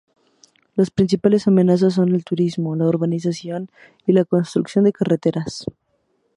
Las principales amenazas son el turismo, la urbanización y la construcción de carreteras.